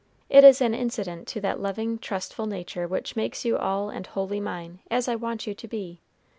It is an incident to that loving, trusting nature which makes you all and wholly mine, as I want you to be.